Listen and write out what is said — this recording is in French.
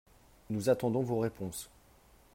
Nous attendons vos réponses